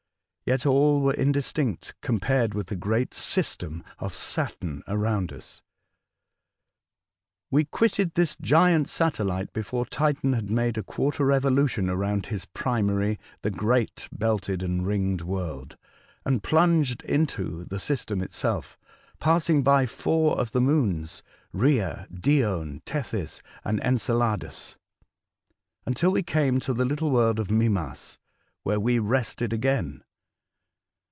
Yet all were indistinct compared with the great system of Saturn around us. We quitted this giant satellite before Titan had made a quarter revolution around his primary — the great belted and ringed world, — and plunged into the system itself, passing by four of the moons, — Rhea, Dione, Tethys, and Enceladus, — until we came to the little world of Mimas, where we rested again.